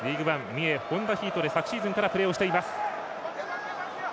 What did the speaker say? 三重ホンダヒートで昨シーズンからプレーしています。